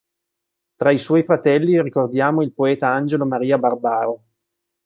Tra i suoi fratelli ricordiamo il poeta Angelo Maria Barbaro.